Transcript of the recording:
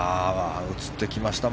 映ってきました。